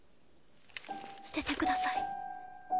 捨ててください。